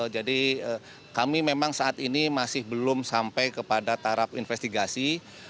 jadi kami memang saat ini masih belum sampai kepada tarap investigasi